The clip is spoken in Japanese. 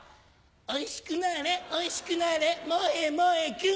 おいしくなれおいしくなれ萌え萌えキュン！